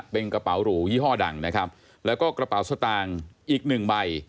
เป็นกระเป๋าหรูยี่ห้อดังนะครับแล้วก็กระเป๋าสตางค์อีกหนึ่งใบ